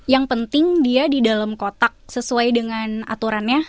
yang penting dia di dalam kotak sesuai dengan aturannya